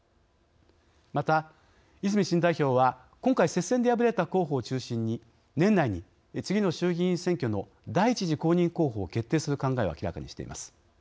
また、泉新代表は今回接戦に敗れた候補を中心に年内に次の衆議院選挙の第１次公認候補を決定する考えを明らかにしています。